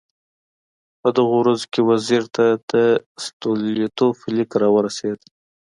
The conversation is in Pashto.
په دغو ورځو کې وزیر ته د ستولیتوف لیک راورسېد.